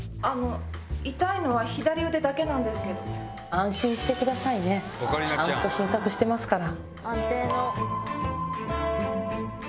安心してくださいねちゃんと診察してますから。